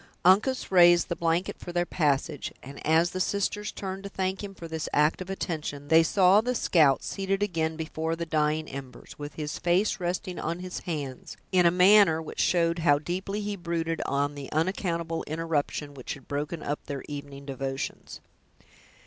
Uncas raised the blanket for their passage, and as the sisters turned to thank him for this act of attention, they saw the scout seated again before the dying embers, with his face resting on his hands, in a manner which showed how deeply he brooded on the unaccountable interruption which had broken up their evening devotions.